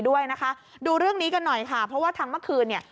ดูเรื่องนี้กันหน่อยค่ะเพราะว่าทั้งเมื่อคืนนี้